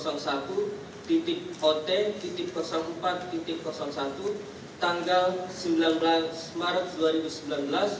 nomor m hh satu ot empat satu tanggal sembilan belas maret dua ribu sembilan belas